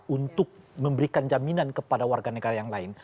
untuk memberikan jaminan kepada warga negara yang lain